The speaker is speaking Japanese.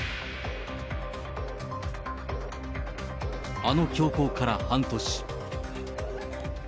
あの凶行から半年。